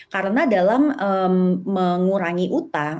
karena dalam mengurangi utang